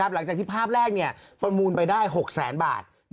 หลังจากที่ภาพแรกประมูลไปได้๖แสนบาท